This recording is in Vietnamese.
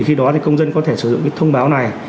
khi đó công dân có thể sử dụng thông báo này